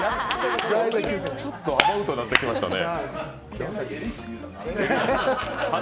ちょっとアバウトになってきましたね。